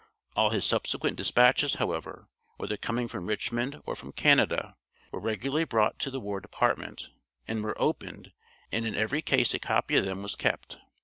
All his subsequent dispatches, however, whether coming from Richmond or from Canada, were regularly brought to the War Department, and were opened, and in every case a copy of them was kept.